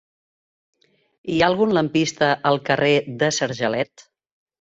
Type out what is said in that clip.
Hi ha algun lampista al carrer de Sargelet?